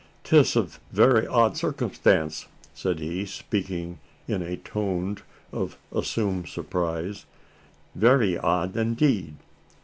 "'Tis a very odd circumstance," said he, speaking in a tone of assumed surprise "very odd indeed!